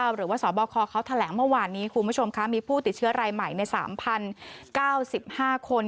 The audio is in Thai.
หรือว่าสบคเขาแถลงเมื่อวานนี้คุณผู้ชมค่ะมีผู้ติดเชื้อรายใหม่ใน๓๐๙๕คน